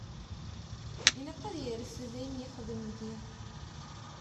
Ilaq ad yerfed ayen yexdem deg-i.